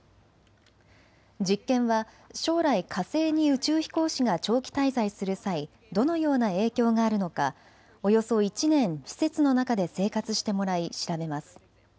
実験は将来、火星に宇宙飛行士が長期滞在する際、どのような影響があるのか、およそ１年施設の中で生活してもらい調べます。